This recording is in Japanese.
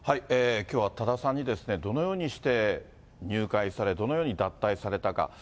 きょうは多田さんに、どのようにして入会され、どのように脱会されたか。